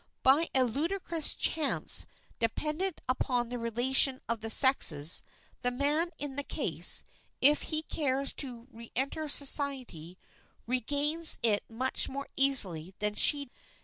By a ludicrous chance dependent upon the relation of the sexes, the man in the case, if he cares to reenter society, regains it much more easily than she.